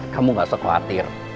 kamu gak sekhawatir